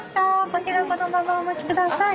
こちらこのままお持ち下さい。